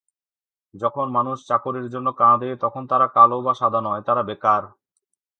যখন মানুষ চাকরির জন্য কাঁদে, তখন তারা কালো বা সাদা নয়- তারা বেকার।